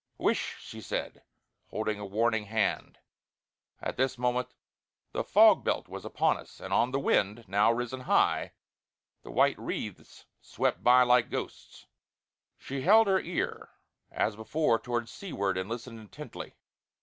"Whish!" she said, raising a warning hand. At this moment the fog belt was upon us, and on the wind, now risen high, the white wreaths swept by like ghosts. She held her ear as before towards seaward and listened intently.